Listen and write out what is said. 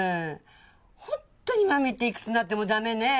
本当に真実っていくつになっても駄目ね。